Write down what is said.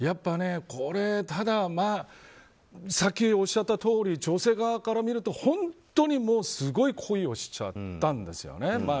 これ、たださっきおっしゃったとおり女性側から見ると本当にすごい恋をしちゃったんですよね。